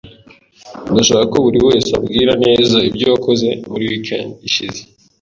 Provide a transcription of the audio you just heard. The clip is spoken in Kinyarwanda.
Ndashaka ko buriwese ambwira neza ibyo wakoze muri weekend ishize.